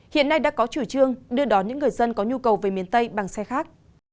hiện nay đã có chủ trương đưa đón những người dân có nhu cầu về miền tây bằng xe khác